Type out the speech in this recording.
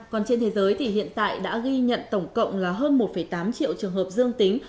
còn trên thế giới thì hiện tại đã ghi nhận tổng cộng là hơn một tám triệu trường hợp dương tính